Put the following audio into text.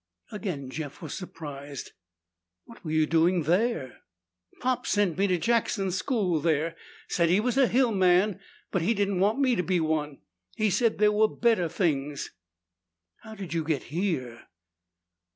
Again Jeff was surprised. "What were you doing there?" "Pop sent me to Jackson School there. Said he was a hill man but he didn't want me to be one. He said there were better things." "Hm m. How did you get here?"